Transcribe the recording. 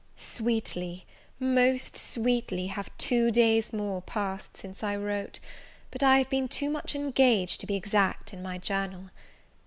SWEETLY, most sweetly, have two days more passed since I wrote: but I have been too much engaged to be exact in my journal.